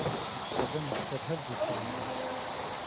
قەدەمت سەر هەر دوو چاوم